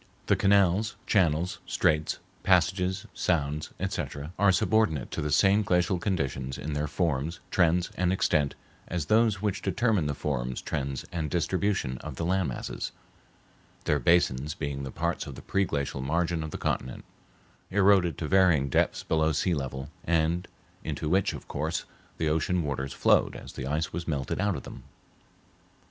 The canals, channels, straits, passages, sounds, etc., are subordinate to the same glacial conditions in their forms, trends, and extent as those which determined the forms, trends, and distribution of the land masses, their basins being the parts of the pre glacial margin of the continent, eroded to varying depths below sea level, and into which, of course, the ocean waters flowed as the ice was melted out of them.